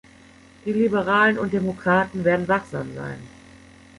Die Liberalen und Demokraten werden wachsam sein.